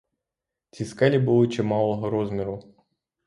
Ці скелі були чималого розміру.